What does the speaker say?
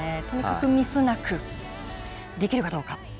とにかくミスなくできるかどうか。